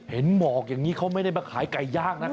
หมอกอย่างนี้เขาไม่ได้มาขายไก่ย่างนะ